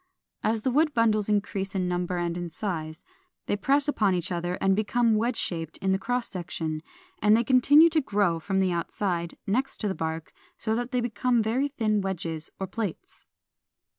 As the wood bundles increase in number and in size, they press upon each other and become wedge shaped in the cross section; and they continue to grow from the outside, next the bark, so that they become very thin wedges or plates.